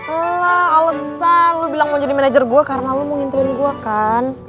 elah alasan lu bilang mau jadi manajer gue karena lu mau ngintelin gue kan